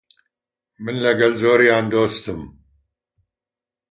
من لەگەڵ زۆریان دۆستم.